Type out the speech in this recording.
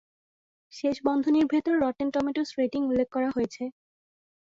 শেষের বন্ধনীর ভেতর রটেন টম্যাটোস রেটিং উল্লেখ করা হয়েছে।